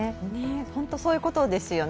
本当そういうことですよね。